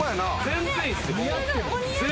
全然いいっすよ。